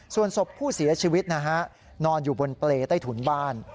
ส่วนศพผู้เสียชีวิตนอนอยู่บนเปลต้ายถุนบ้าน